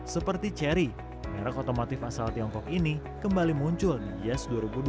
seperti cherry merek otomotif asal tiongkok ini kembali muncul di gias dua ribu dua puluh